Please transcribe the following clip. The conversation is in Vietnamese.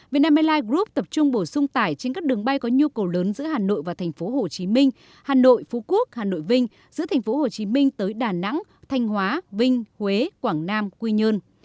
việt nam airlines group tập trung bổ sung tải trên các đường bay có nhu cầu lớn giữa hà nội và thành phố hồ chí minh hà nội phú quốc hà nội vinh giữa thành phố hồ chí minh tới đà nẵng thanh hóa vinh huế quảng nam quy nhơn